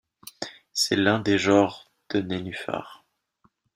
C'est l'un des genres de nénuphars.